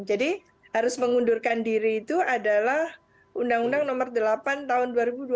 jadi harus mengundurkan diri itu adalah undang undang nomor delapan tahun dua ribu dua belas